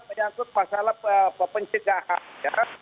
mengangkut masalah pencegahan ya